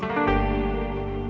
saya permisi dulu ya